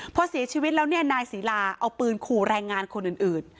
พอเสียชีวิตแล้วเนี่ยนายศรีลาเอาปืนขู่แรงงานคนอื่น